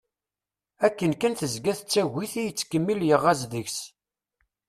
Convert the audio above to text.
Akken kan tezga tettagi-t i yettkemmil yeɣɣaz deg-s.